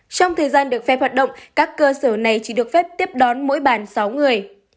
trong thời gian được phép hoạt động các cơ sở này chỉ được phép tiếp đón mỗi bàn sáu người